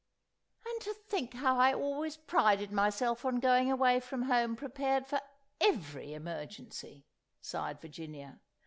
"And to think how I've always prided myself on going away from home prepared for every emergency!" sighed Virginia.